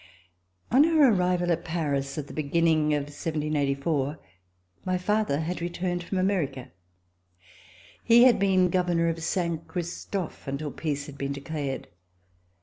On our arrival at Paris, at the beginning of 1784, my father had returned from America. He had been Governor of Saint Christophe until peace had been declared.